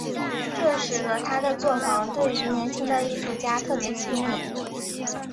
这使得他的作坊对于年轻的艺术家特别亲密。